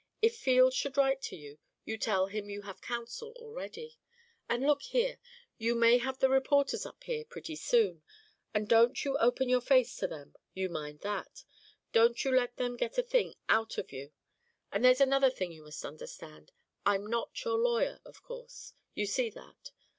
If Field should write to you, you tell him you have counsel already. And, look here! you may have the reporters up here pretty soon, and don't you open your face to them; you mind that; don't you let them get a thing out of you. And there's another thing you must understand: I'm not your lawyer, of course; you see that.